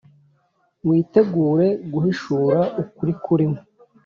witegure guhishura ukuri kurimo,